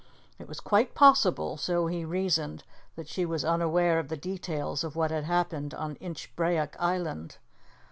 It was quite possible so he reasoned that she was unaware of the details of what had happened on Inchbrayock Island.